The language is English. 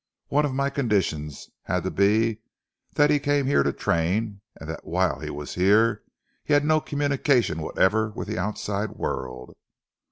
One of my conditions had to be that he came here to train and that whilst he was here he held no communication whatever with the outside world.